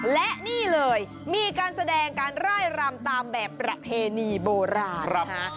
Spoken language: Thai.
และนี่เลยมีการแสดงการไล่รำตามแบบประเพณีโบราณนะคะ